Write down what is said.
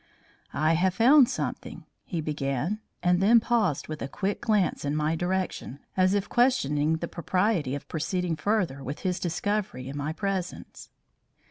"I have found something " he began, and then paused with a quick glance in my direction, as if questioning the propriety of proceeding further with his discovery in my presence.